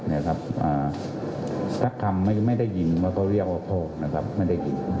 สักคำไม่ได้ยินเรียกว่าพวกไม่ได้ยิน